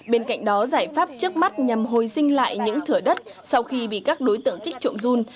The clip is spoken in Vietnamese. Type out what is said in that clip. bên cạnh đó giải pháp trước mắt nhằm hồi sinh lại những thửa đất sau khi bị các đối tượng kích trộm run